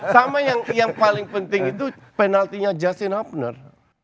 sama yang paling penting itu penaltinya justin upner